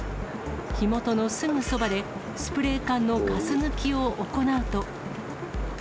火元のすぐそばでスプレー缶のガス抜きを行うと。